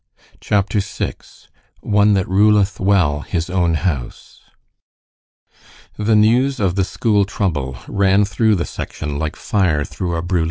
CHAPTER VI "ONE THAT RULETH WELL HIS OWN HOUSE" The news of the school trouble ran through the section like fire through a brule.